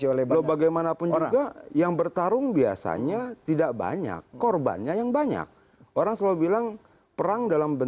ibu mega mengatakan presiden adalah